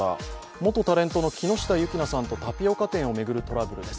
元タレントの木下優樹菜さんとタピオカ店を巡るニュースです。